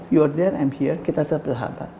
you re there i m here kita tetap di sahabat